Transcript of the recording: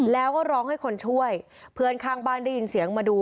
แล้วก็ร้องให้คนช่วยเพื่อนข้างบ้านได้ยินเสียงมาดู